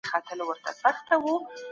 فريضه باید هېره نسي.